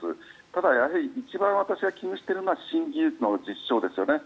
ただ、やはり一番私が危惧にしているのが新技術の実証ですよね。